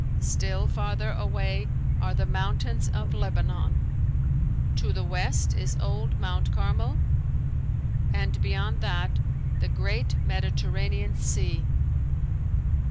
Still farther away are the mountains of Lebanon. To the west is old Mount Carmel and beyond that the great Mediterranean Sea.